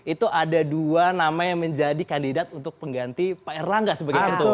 itu ada dua nama yang menjadi kandidat untuk pengganti pak erlangga sebagai ketua umum